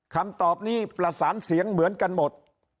คำตอบนี้ประสานเสียงเหมือนกันหมด